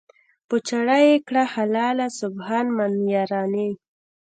"په چاړه یې کړه حلاله سبحان من یرانی".